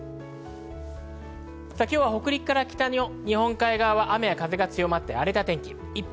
今日は北陸から北の日本海側は雨風が強まって、荒れた天気。